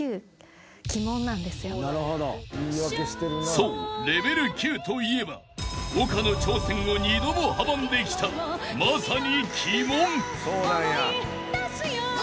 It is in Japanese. ［そうレベル９といえば丘の挑戦を２度も阻んできたまさに］